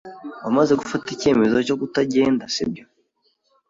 Wamaze gufata icyemezo cyo kutagenda, sibyo?